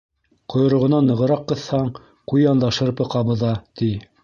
Ҡойроғонан нығыраҡ ҡыҫһаң, ҡуян да шырпы ҡабыҙа, ти.